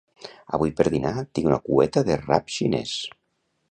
Avui per dinar tinc una cueta de rap xinès